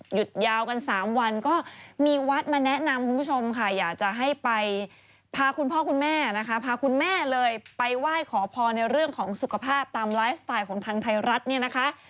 หยุดยาวกัน๓วันก็มีวัดมาแนะนำคุณผู้ชมค่ะอยากจะให้ไปพาคุณพ่อคุณแม่นะคะพาคุณแม่เลยไปไหว้ขอพรในเรื่องของสุขภาพตามไลฟ์สไตล์ของทางไทยรัฐเนี่ยนะคะ